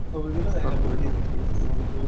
তারপর ইকামতকালে শয়তান আবার হটে যায়।